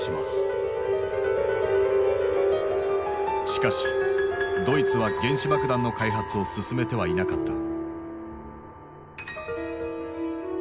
しかしドイツは原子爆弾の開発を進めてはいなかった。